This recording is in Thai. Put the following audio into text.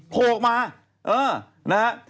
โผล่อออกมา